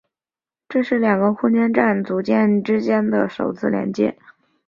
这是两个空间站组件之间的首次连接。